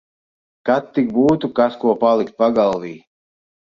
Kad tik būtu kas ko palikt pagalvī.